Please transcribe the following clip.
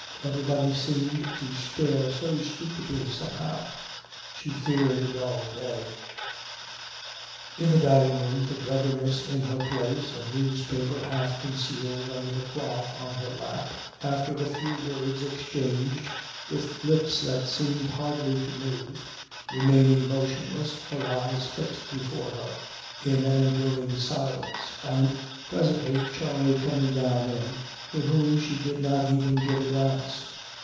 Everybody seemed to stare so stupidly somehow; she feared a dull day. In the dining room the governess in her place, a newspaper half concealed under the cloth on her lap, after a few words exchanged with lips that seemed hardly to move, remaining motionless, her eyes fixed before her in an enduring silence; and presently Charley coming in to whom she did not even give a glance.